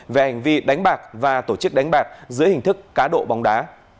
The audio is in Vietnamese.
về hành vi đánh bạc và tổ chức đánh bạc dưới hình thức cá độ bóng đá